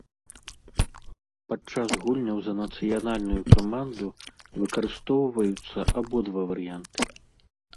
Падчас гульняў за нацыянальную каманду выкарыстоўваюцца абодва варыянты.